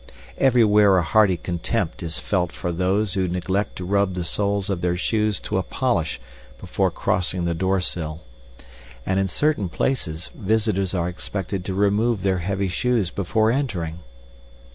Everywhere a hearty contempt is felt for those who neglect to rub the soles of their shoes to a polish before crossing the doorsill; and in certain places visitors are expected to remove their heavy shoes before entering.